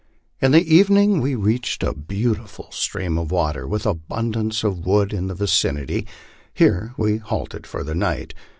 In the evening we reached a beautiful stream of water, with abundance of wood in the vicinity ; here we halted for the night.